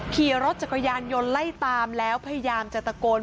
ขี่รถจักรยานยนต์ไล่ตามแล้วพยายามจะตะโกน